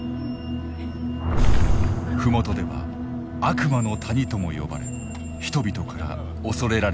麓では「悪魔の谷」とも呼ばれ人々から恐れられている。